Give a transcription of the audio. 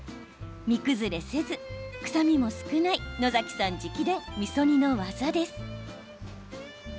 身崩れせず臭みも少ない野崎さん直伝、みそ煮の技です。